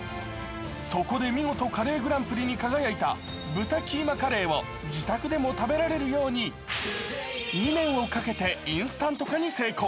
そこで見事カレーグランプリに輝いた豚キーマカレーを自宅でも食べられるように２年をかけてインスタント化に成功。